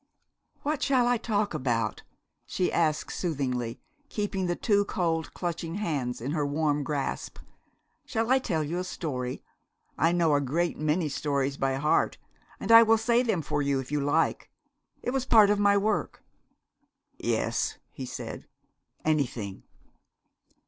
"What shall I talk about?" she asked soothingly, keeping the two cold, clutching hands in her warm grasp. "Shall I tell you a story? I know a great many stories by heart, and I will say them for you if you like. It was part of my work." "Yes," he said. "Anything."